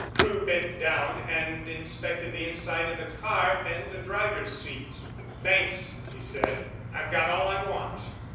Crewe bent down and inspected the inside of the car and the driver's seat. "Thanks," he said. "I've got all I want."